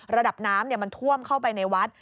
ระดับน้ำมันท่วมเข้าไปในวัด